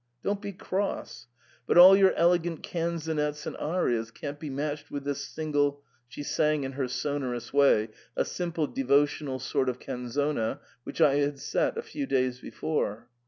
Don't be cross — but all your elegant canzonets and arias can't be matched with this single ,* she sang in her sonor ous way a simple devotional sort of canzona which I had set a few days before.